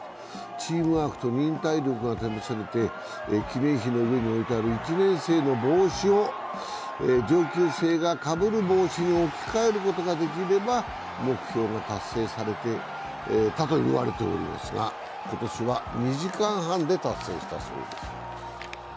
チームワークと忍耐力が試されて記念碑の上に置いてある１年生の帽子を上級生がかぶる帽子に置き換えることができれば目標が達成されると言われていますが今年は２時間半で達成したそうです